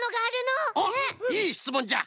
おっいいしつもんじゃ。